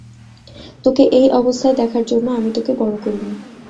তোকে এই অবস্থায় দেখার জন্য আমি তোকে বড় করিনি।